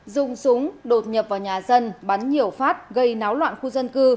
dùng súng đột nhập vào nhà dân bắn nhiều phát gây náo loạn khu dân cư